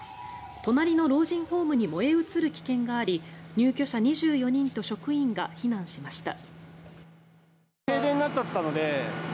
隣の老人ホームに燃え移る危険があり入居者２４人と職員が避難しました。